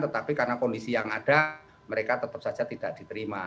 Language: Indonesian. tetapi karena kondisi yang ada mereka tetap saja tidak diterima